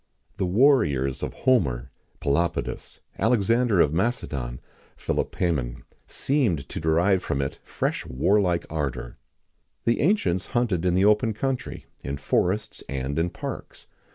The warriors of Homer,[XIX 13] Pelopidas,[XIX 14] Alexander of Macedon,[XIX 15] Philopœmen,[XIX 16] seemed to derive from it fresh warlike ardour. The ancients hunted in the open country, in forests, and in parks.